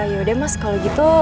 yaudah mas kalau gitu